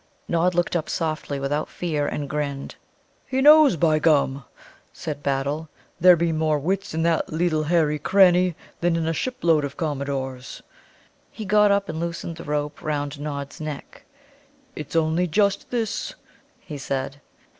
Nod looked up softly without fear, and grinned. "He knows, by gum!" said Battle. "There be more wits in that leetle hairy cranny than in a shipload of commodores." He got up and loosened the rope round Nod's neck. "It's only just this," he said.